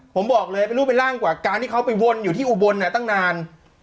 ผมบอกเลยเป็นรูปเป็นร่างกว่าการที่เขาไปวนอยู่ที่อุบลตั้งนาน